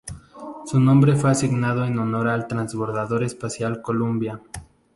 Su nombre fue asignado en honor al transbordador espacial Columbia.